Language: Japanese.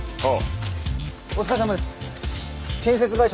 ああ。